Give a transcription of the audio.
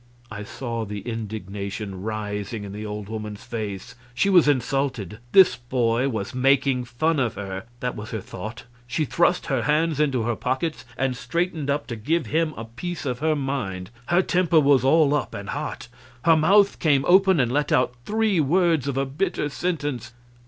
I saw the indignation rising in the old woman's face. She was insulted. This boy was making fun of her. That was her thought. She thrust her hands into her pockets and straightened up to give him a piece of her mind. Her temper was all up, and hot. Her mouth came open and let out three words of a bitter sentence